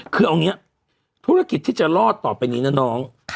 คือเอาอย่างนี้ธุรกิจที่จะรอดต่อไปนี้นะน้อง